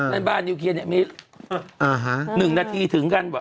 นั่นบ้านอยู่เคียงเนี่ยมี๑นาทีถึงกัน